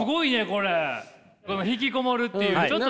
この引きこもるっていう。